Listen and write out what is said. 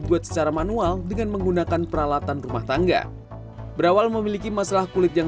buat secara manual dengan menggunakan peralatan rumah tangga berawal memiliki masalah kulit yang